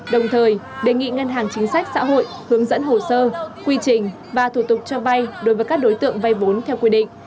đồng thời đề nghị ngân hàng chính sách xã hội hướng dẫn hồ sơ quy trình và thủ tục cho vay đối với các đối tượng vay vốn theo quy định